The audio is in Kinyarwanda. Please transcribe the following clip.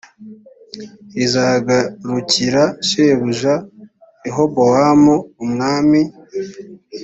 izagarukira shebuja rehobowamu umwami